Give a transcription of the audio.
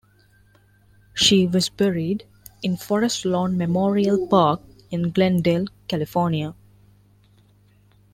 She was buried in Forest Lawn Memorial Park in Glendale, California.